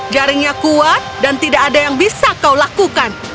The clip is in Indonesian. jaringnya kuat dan tidak ada yang bisa kau lakukan